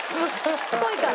しつこいから？